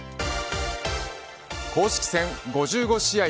公式戦５５試合１４